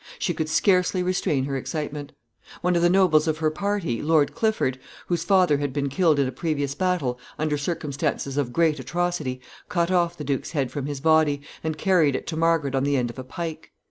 She could scarcely restrain her excitement. One of the nobles of her party, Lord Clifford, whose father had been killed in a previous battle under circumstances of great atrocity, cut off the duke's head from his body, and carried it to Margaret on the end of a pike.